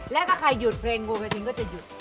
และถ้าใครหยุดเพลงงูกระทิงก็จะหยุด